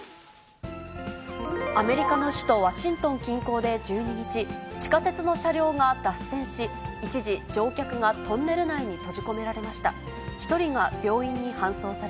アメリカの首都ワシントン近郊で１２日、地下鉄の車両が脱線し、一時、乗客がトンネル内に閉じ込められました。